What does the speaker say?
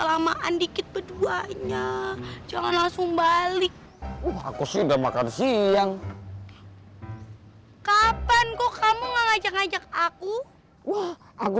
lamaandikit berduanya jangan langsung balik aku sudah makan siang kapan kok kamu ngajak ngajak aku